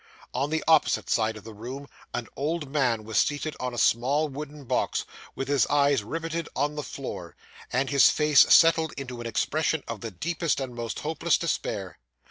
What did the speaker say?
On the opposite side of the room an old man was seated on a small wooden box, with his eyes riveted on the floor, and his face settled into an expression of the deepest and most hopeless despair.